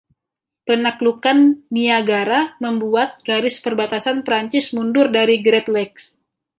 Penaklukan Niagara membuat garis perbatasan Prancis mundur dari Great Lakes.